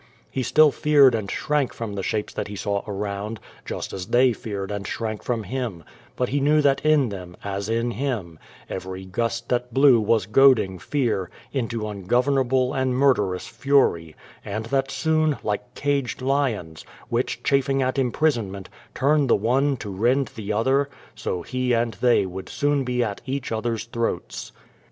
He still feared and shrank from the shapes that he saw around, just as they feared and shrank from him, but he knew that in them, as in him, every gust that blew was goading fear into ungovernable and murderous fury, and that soon, like caged lions, which, chafing at imprisonment, turn the one to rend the other, so he and they would soon be at each other's throats.